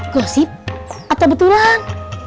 gosip atau betulan